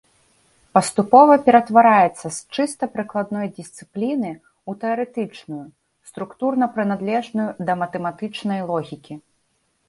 Паступова ператвараецца з чыста прыкладной дысцыпліны ў тэарэтычную, структурна прыналежную да матэматычнай логікі.